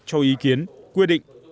cho ý kiến quy định